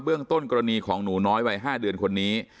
เรื่องต้นกรณีของหนูน้อยวัย๕เดือนคนนี้